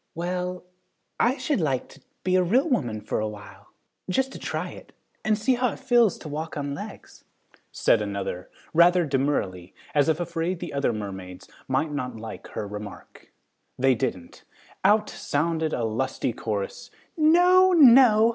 "Well, I should like to be a real woman for a while, just to try it, and see how it feels to walk on legs," said another, rather demurely, as if afraid the other mermaids might not like her remark. They didn't. Out sounded a lusty chorus, "No! No!